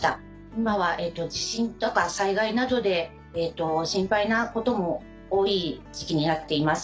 今は地震とか災害などで心配なことも多い時期になっています。